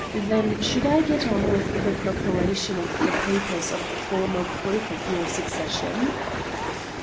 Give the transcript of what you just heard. Then should I get on with the preparation of the papers of formal proof of your succession?"